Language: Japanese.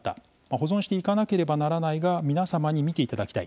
保存していかなければならないが皆様に見ていただきたい。